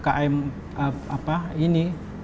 karena pertumbuhan ukm ini